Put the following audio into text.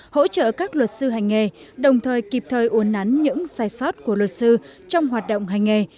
hỗ trợ các luật sư hành nghề đồng thời kịp thời uốn nắn những sai sót của luật sư trong hoạt động hành nghề